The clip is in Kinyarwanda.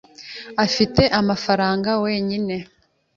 Afite amafaranga wenyine.